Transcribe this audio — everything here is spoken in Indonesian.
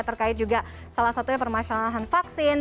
terkait juga salah satunya permasalahan vaksin